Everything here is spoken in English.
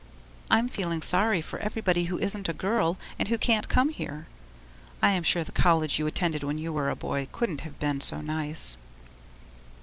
I'm feeling sorry for everybody who isn't a girl and who can't come here; I am sure the college you attended when you were a boy couldn't have been so nice.